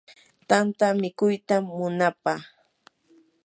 tantata mikuytam munapaa.